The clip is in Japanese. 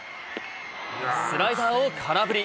スライダーを空振り。